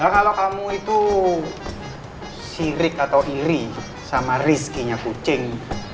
kalau kamu itu sirik atau iri sama rizkinya kucing